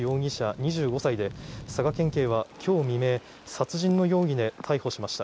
２５歳で佐賀県警は今日未明、殺人の容疑で逮捕しました。